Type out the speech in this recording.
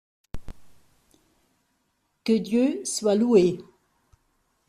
Que Dieu soit loué !